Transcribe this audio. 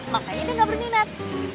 makanya dia gak berminat